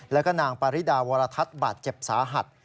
แล้วก็นางปาริดาวรทัศน์บาดเจ็บสาหัส